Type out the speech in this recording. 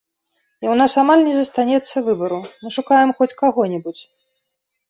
І ў нас амаль не застанецца выбару, мы шукаем хоць каго-небудзь.